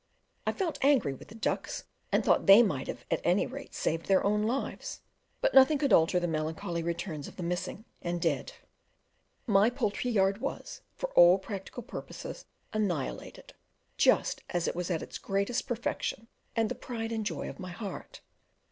I felt angry with the ducks, and thought they might have at any rate saved their own lives; but nothing could alter the melancholy returns of the missing and dead. My poultry yard was, for all practical purposes, annihilated, just as it was at its greatest perfection and the pride and joy of my heart.